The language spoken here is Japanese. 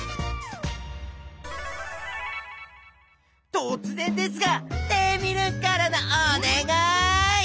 とつ然ですがテミルンからのお願い！